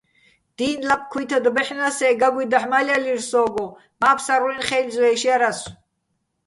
დი́ნ ლაპ ქუ́ჲთად ბაჲჰ̦ნა́ს-ე, გაგუჲ დაჰ̦ მალჲალირ სო́გო, მა́ ფსარლუ́ჲნი̆ ხეჲლზვე́ში̆ ჲარასო̆.